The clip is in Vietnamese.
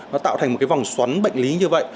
nó tạo thành một cái vòng xoắn bệnh lý như vậy